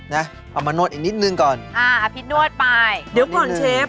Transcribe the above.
เอามานวดอีกนิดนึงก่อนอ่าอภินวดไปเดี๋ยวก่อนเชฟ